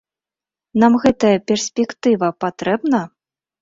Нам гэтая перспектыва патрэбна?